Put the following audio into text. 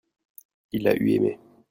il a eu aimé.